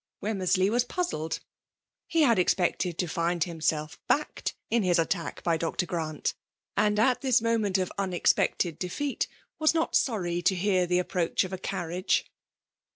Wemmendey was puzzled! He had ex pected to find himself backed in his attack by Dr. Grrant; and at this moment of un* expected defeat, was not sorry to hear the approach of a carriage.